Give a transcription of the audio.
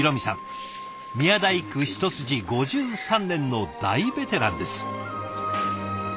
宮大工一筋５３年の大ベテランです。